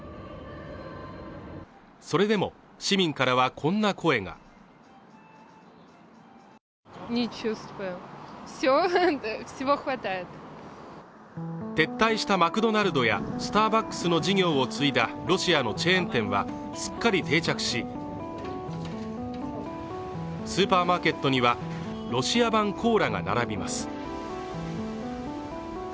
それでも市民からはこんな声が撤退したマクドナルドやスターバックスの事業を継いだロシアのチェーン店はすっかり定着しスーパーマーケットにはロシア版コーラが並びます